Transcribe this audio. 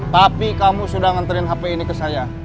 tapi kamu sudah nganterin hp ini ke saya